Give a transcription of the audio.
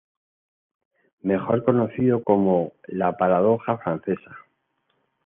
Mejor conocido como "la paradoja francesa".